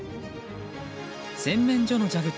洗面所の蛇口